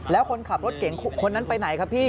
แล้วคนขับรถเก่งคนนั้นไปไหนครับพี่